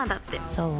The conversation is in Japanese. そう？